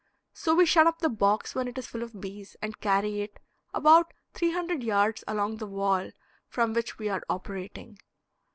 So we shut up the box when it is full of bees and carry it about three hundred yards along the wall from which we are operating.